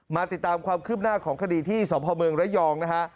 มาติดตามความคืบหน้าของคดีที่สพเมืองระยองนะฮะ